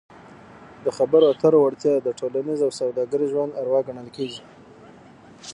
د خبرو اترو وړتیا د ټولنیز او سوداګریز ژوند اروا ګڼل کیږي.